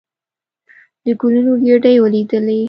د ګلونو ګېدۍ ولېدلې.